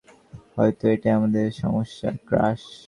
হয়তো এটাই আমাদের সমস্যা, ক্র্যাশ।